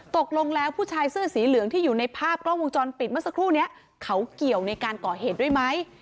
ตกลงแล้วผู้ชายเสื้อสีเหลืองที่อยู่ในภาพกล้องวงจรปิดเมื่อสักครู่นี้เขาเกี่ยวในการก่อเหตุด้วยไหม